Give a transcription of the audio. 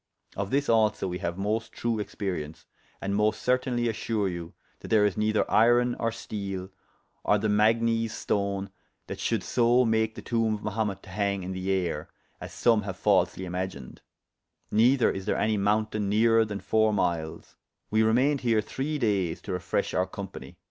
Of this also we haue most true experience, and most certaynely assure you that there is neyther iron or steele or the magnes stone that should so make the toombe of Mahumet to hange in the ayre, as some haue falsely imagined; neyther is there any mountayne nearer than foure myles: we remayned here three dayes to refreshe our company.